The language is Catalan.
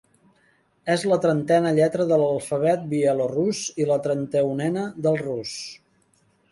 És la trentena lletra de l'alfabet bielorús i la trenta-unena del rus.